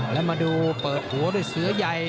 แล้วมาดูเปิดหัวด้วยเสือใหญ่